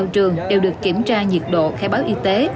trường đều được kiểm tra nhiệt độ khai báo y tế